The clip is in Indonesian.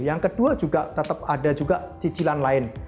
yang kedua juga tetap ada juga cicilan lain